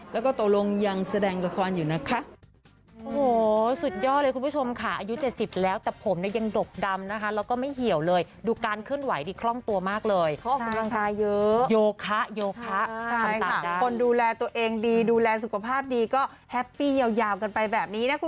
แล้วก็ตัวลงยังแสดงละครอยู่นะคะ